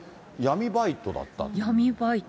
闇バイト。